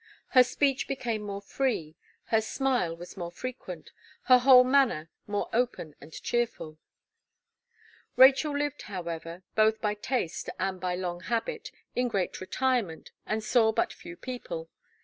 Her speech became more free, her smile was more frequent, her whole manner more open and cheerful. Rachel lived, however, both by taste and by long habit, in great retirement, and saw but few people.